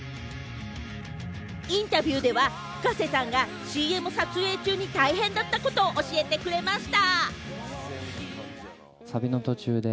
インタビューではＦｕｋａｓｅさんがＣＭ撮影中に大変だったことを教えてくれました。